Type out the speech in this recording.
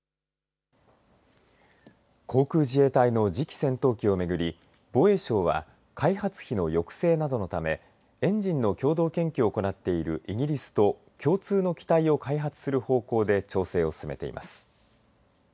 航空自衛隊の次期戦闘機をめぐり防衛省は開発費の抑制などのためエンジンの共同研究を行っているイギリスと共通の機体を開発する方向で調整を進めています。